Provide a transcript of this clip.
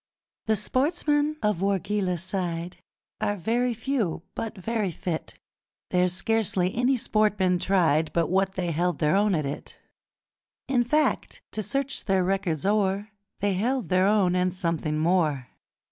The sportsmen of Wargeilah side Are very few but very fit: There's scarcely any sport been tried But what they held their own at it In fact, to search their records o'er, They held their own and something more.